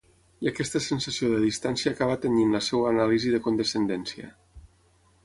I aquesta sensació de distància acaba tenyint la seva anàlisi de condescendència.